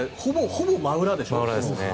ほぼ真裏でしょ。